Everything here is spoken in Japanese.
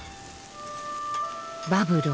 バブル